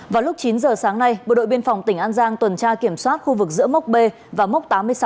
vào lúc chín giờ sáng nay bộ đội biên phòng tỉnh an giang tuần tra kiểm soát khu vực giữa mốc b và mốc tám mươi sáu